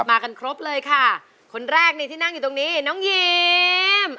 มากันครบเลยค่ะคนแรกนี่ที่นั่งอยู่ตรงนี้น้องยิม